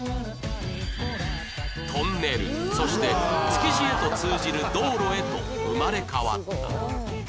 トンネルそして築地へと通じる道路へと生まれ変わった